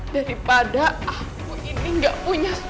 daripada aku ini gak punya